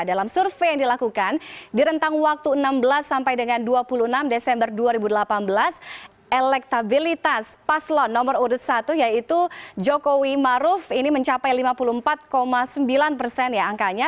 dalam survei yang dilakukan di rentang waktu enam belas sampai dengan dua puluh enam desember dua ribu delapan belas elektabilitas paslon nomor urut satu yaitu jokowi maruf ini mencapai lima puluh empat sembilan persen ya angkanya